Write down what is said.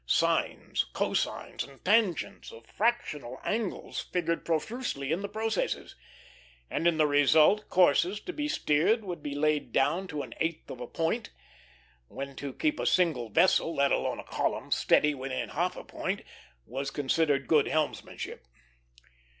Sines, cosines, and tangents, of fractional angles figured profusely in the processes; and in the result courses to be steered would be laid down to an eighth of a point, when to keep a single vessel, let alone a column, steady within half a point was considered good helmsmanship.